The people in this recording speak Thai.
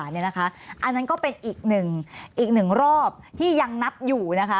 อันนั้นก็เป็นอีกหนึ่งรอบที่ยังนับอยู่นะคะ